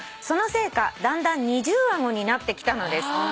「そのせいかだんだん二重顎になってきたのです」